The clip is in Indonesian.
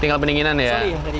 tinggal pendinginan ya